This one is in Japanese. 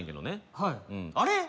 はいあれ？